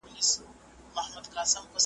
عادت د انسان فطرت دی.